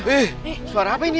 eh suara apa ini